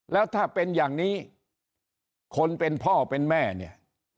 แล้วถ้าเป็นอย่างนี้คนเป็นพ่อเป็นแม่เนี่ย